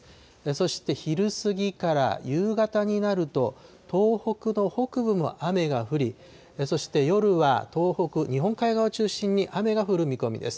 そして昼過ぎから夕方になると、東北の北部も雨が降り、そして夜は東北、日本海側を中心に雨が降る見込みです。